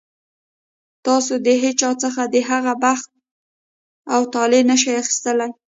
تاسو د هېچا څخه د هغه بخت او طالع نه شئ اخیستلی.